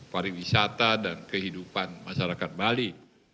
pariwisata dan kehidupan masyarakat bali